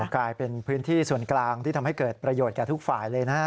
กลายเป็นพื้นที่ส่วนกลางที่ทำให้เกิดประโยชน์แก่ทุกฝ่ายเลยนะ